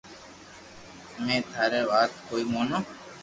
اپي ٿارو وات ڪوئي مونو